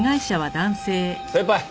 先輩！